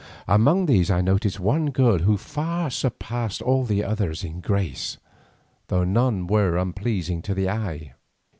Among these I noticed one girl who far surpassed all the others in grace, though none were unpleasing to the eye.